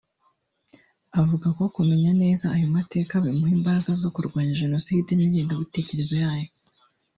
avuga ko kumenya neza aya mateka bimuha imbaraga zo kurwanya Jenoside n’ingengabitekerezo yayo